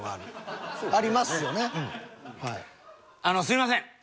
あのすいません。